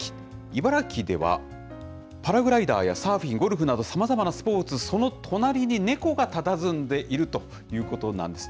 茨城では、パラグライダーやサーフィン、ゴルフなど、さまざまなスポーツ、その隣にネコがたたずんでいるということなんです。